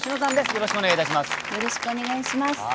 よろしくお願いします。